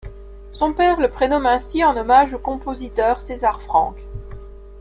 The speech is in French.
Son père le prénomme ainsi en hommage au compositeur César Franck.